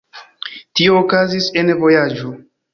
Tio okazis en vojaĝo.